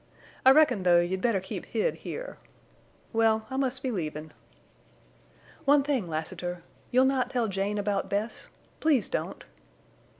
I reckon, though, you'd better keep hid here. Well, I must be leavin'." "One thing, Lassiter. You'll not tell Jane about Bess? Please don't!"